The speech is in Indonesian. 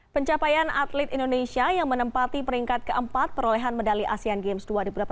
pencapaian atlet indonesia yang menempati peringkat keempat perolehan medali asean games dua ribu delapan belas